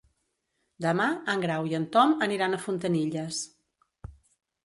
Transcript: Demà en Grau i en Tom aniran a Fontanilles.